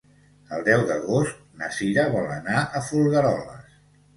El deu d'agost na Sira vol anar a Folgueroles.